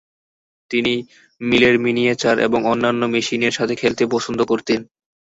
তিনি মিলের মিনিয়েচার এবং অন্যান্য মেশিনের সাথে খেলতে পছন্দ করতেন।